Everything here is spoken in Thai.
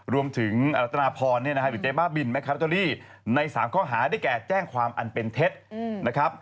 รวมถึงอรัตนาพรเนี่ยนะฮะหรือใจบ้าบิลแม็คคาร์รัตตาลีในสามข้อหาได้แก่แจ้งความอันเป็นเท็จนะครับ